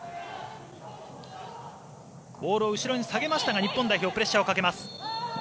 ボールを後ろに下げましたが日本代表プレッシャーをかけます。